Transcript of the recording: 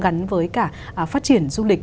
gắn với cả phát triển du lịch